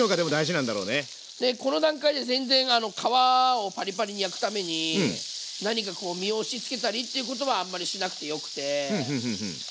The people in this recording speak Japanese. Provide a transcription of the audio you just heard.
この段階で全然皮をパリパリに焼くために何か身を押しつけたりっていうことはあんまりしなくてよくて。